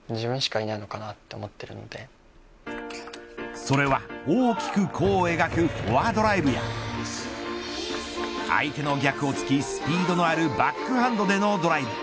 それは大きく弧を描くフォアドライブや相手の逆を突きスピードのあるパックハンドでのドライブ。